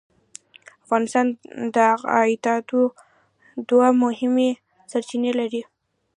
افغانستان د عایداتو دوه مهمې سرچینې لري.